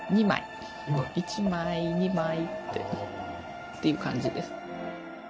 １枚２枚っていう感じです。